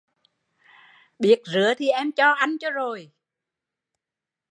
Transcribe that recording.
Biết rứa thi em cho anh cho rồi